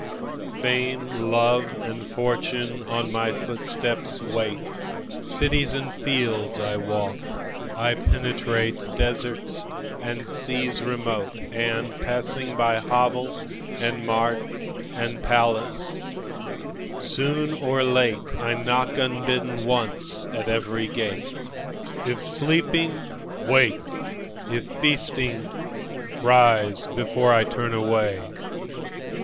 Fame, love, and fortune on my footsteps wait. Cities and fields I walk; I penetrateDeserts and seas remote, and passing byHovel and mart and palace—soon or lateI knock unbidden once at every gate!"If sleeping, wake—if feasting, rise beforeI turn away.